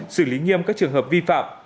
xử lý nghiêm các trường hợp vi phạm